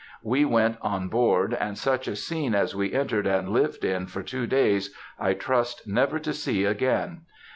We went on board, and such a scene as we entered and lived in for two days I trust never to see again.